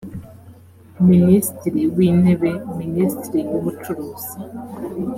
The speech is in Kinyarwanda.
minisitiri w intebe minisitiri w ubucuruzi